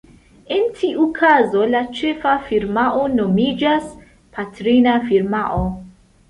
En tiu kazo la ĉefa firmao nomiĝas "patrina firmao".